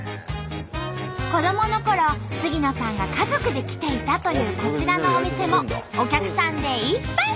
子どものころ杉野さんが家族で来ていたというこちらのお店もお客さんでいっぱい。